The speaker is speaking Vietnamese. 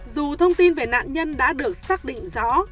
dù thông tin về nạn nhân đã được xác định rõ